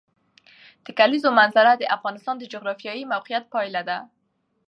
د کلیزو منظره د افغانستان د جغرافیایي موقیعت پایله ده.